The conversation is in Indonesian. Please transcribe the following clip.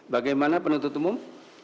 bagaimana penuntut umum